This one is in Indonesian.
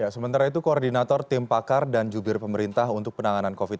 sementara itu koordinator tim pakar dan jubir pemerintah untuk penanganan covid sembilan belas